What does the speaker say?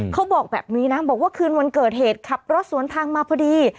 เขาบอกแบบนี้นะบอกว่าคืนวันเกิดเหตุขับรถสวนทางมาพอดี